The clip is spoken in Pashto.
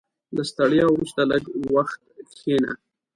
• له ستړیا وروسته، لږ وخت کښېنه.